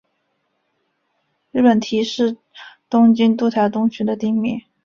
日本堤是东京都台东区的町名。